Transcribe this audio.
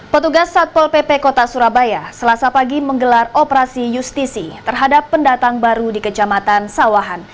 petugas satpol pp kota surabaya selasa pagi menggelar operasi justisi terhadap pendatang baru di kecamatan sawahan